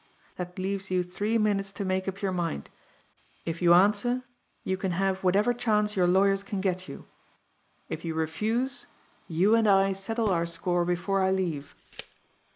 That leaves you three minutes to make up your mind. If you answer, you can have whatever chance your lawyers can get you; if you refuse, you and I settle our score before I leave.